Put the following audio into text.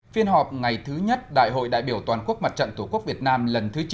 phiên họp ngày thứ nhất đại hội đại biểu toàn quốc mặt trận tổ quốc việt nam lần thứ chín